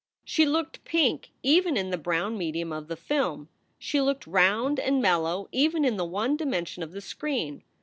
She looked pink even in the brown medium of the film. She looked round and mellow even in the one dimension of the screen.